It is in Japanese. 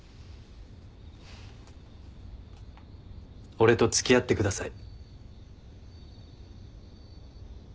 俺と付き合ってください。